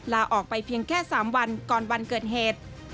ลาออกไปเพียงแค่๓วันก่อนวันเกิดเหตุ